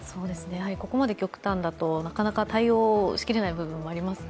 ここまで極端だと、なかなか対応しきれない部分もありますね。